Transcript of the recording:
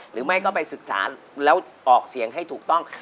หรือไม่ก็ไปศึกษาแล้วออกเสียงให้ถูกต้อง